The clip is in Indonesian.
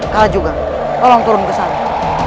kalajugang tolong turun ke sana